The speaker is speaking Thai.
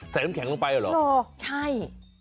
ใส่น้ำแข็งลงไปเหรอโอ้โหใช่